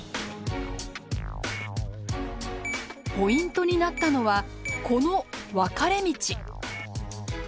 ポイントになったのはこの分かれ道。